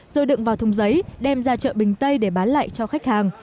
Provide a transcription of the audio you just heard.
rồi đựng vào thùng giấy đem ra chợ bình tây để bán lại cho khách hàng